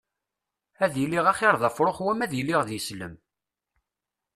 Ad iliɣ axiṛ d afṛux wama ad iliɣ d islem.